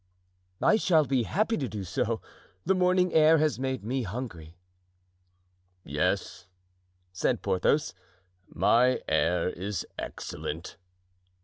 "I shall be happy to do so; the morning air has made me hungry." "Yes," said Porthos; "my air is excellent."